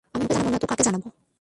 আমি ওঁকে জানব না তো কে জানবে?